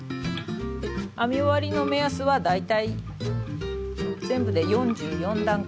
編み終わりの目安は大体全部で４４段くらい。